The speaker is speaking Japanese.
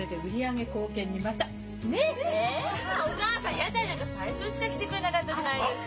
屋台なんか最初しか来てくれなかったじゃないですか。